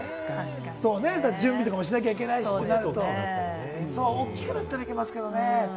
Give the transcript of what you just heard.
準備とかしなきゃいけないとかなると、大きくなったら行けますけれどもね。